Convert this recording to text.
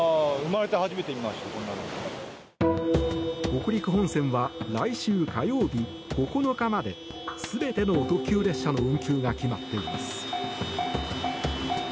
北陸本線は来週火曜日９日まで全ての特急列車の運休が決まっています。